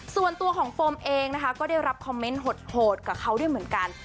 ส่วนตัวของโฟมเองนะคะก็ได้รับคอมเมนต์โหดกับเขาด้วยเหมือนกัน